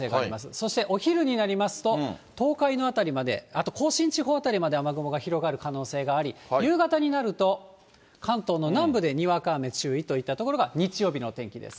そしてお昼になりますと、東海の辺りまで、あと甲信地方辺りまで雨雲が広がる可能性があり、夕方になると、関東の南部でにわか雨注意といったところが日曜日の天気です。